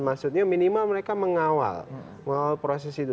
maksudnya minimal mereka mengawal proses itu